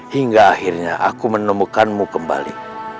hingga akhirnya aku menemukanmu kembali